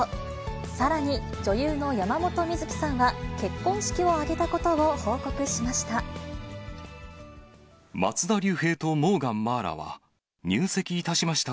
さらに、女優の山本美月さんは結婚式を挙げたことを報告しました。